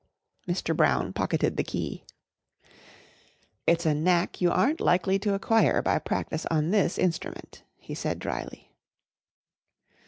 Mr. Brown pocketed the key. "It's a knack you aren't likely to acquire by practice on this instrument," he said drily.